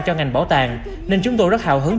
cho ngành bảo tàng nên chúng tôi rất hào hứng